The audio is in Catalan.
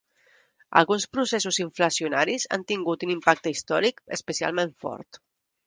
Alguns processos inflacionaris han tingut un impacte històric especialment fort.